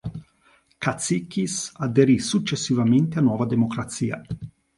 Katsikis aderì successivamente a Nuova Democrazia.